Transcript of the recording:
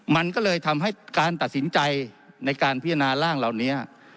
มันก็เลยทำให้การตัดสินใจในการพิจารณาร่างเหล่านี้